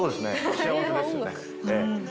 幸せですよね